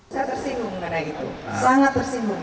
saya tersinggung karena itu sangat tersinggung